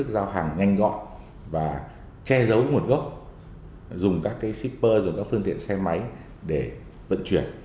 giao hàng nhanh gọn và che giấu nguồn gốc dùng các cái shipper dùng các phương tiện xe máy để vận chuyển